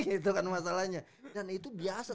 itu kan masalahnya dan itu biasa